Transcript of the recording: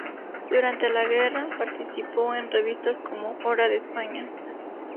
Durante la guerra, participó en revistas como "Hora de España".